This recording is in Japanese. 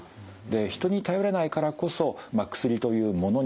人に頼れないからこそ薬というものに頼る。